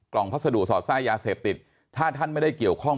พัสดุสอดไส้ยาเสพติดถ้าท่านไม่ได้เกี่ยวข้อง